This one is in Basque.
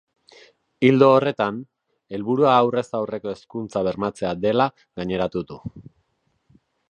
Ildo horretan, helburua aurrez aurreko hezkuntza bermatzea dela gaineratu du.